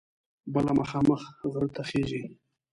بله مخامخ غره ته خیژي.